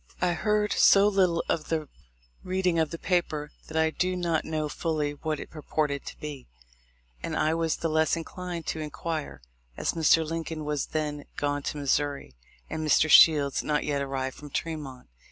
I heard so little of the reading of the paper, that I do not know fully what it purported to be; and I was the less inclined to inquire, as Mr. Lincoln was then gone to Missouri, and Mr. Shields not yet arrived from Tremont.